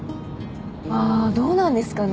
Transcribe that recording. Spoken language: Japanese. ああーどうなんですかね